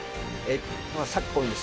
昨今ですね